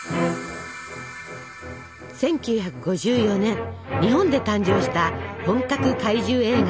１９５４年日本で誕生した本格怪獣映画「ゴジラ」。